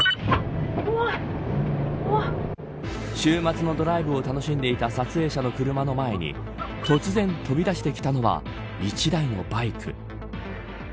週末のドライブを楽しんでいた撮影者の車の前に突然飛び出してきたのは１台のバイク。